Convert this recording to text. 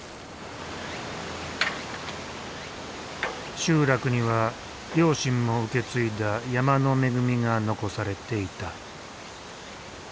集落には両親も受け継いだ山の恵みが残されていた。